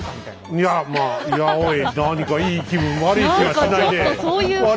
いやまあいやおい何かいい気分悪い気はしないねえ。